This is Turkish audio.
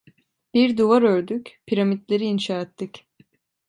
Bir duvar ördük, Piramitleri inşa ettik.